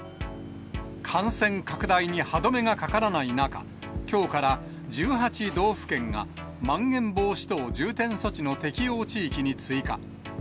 感染拡大に歯止めがかからない中、きょうから、１８道府県がまん延防止等重点措置の適用地域に追加。